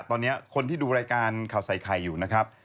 ตอนนี้คนที่ดูรายการข่าวใส่ไข่อยู่นะครับ